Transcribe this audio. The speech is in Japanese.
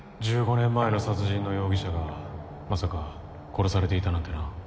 １５年前の殺人の容疑者がまさか殺されていたなんてな